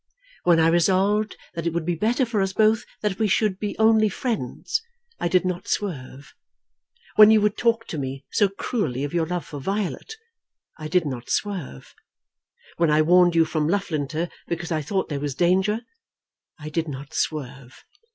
When I resolved that it would be better for us both that we should be only friends, I did not swerve. When you would talk to me so cruelly of your love for Violet, I did not swerve. When I warned you from Loughlinter because I thought there was danger, I did not swerve.